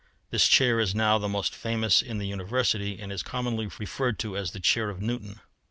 This chair is now the most famous in the University, and it is commonly referred to as the chair of Newton.